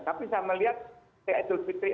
tapi saya melihat di aidul fitri